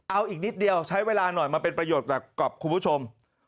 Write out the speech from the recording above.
เอาอีกนิดเดียวใช้เวลาหน่อยมาเป็นประโยชน์กับคุณผู้ชม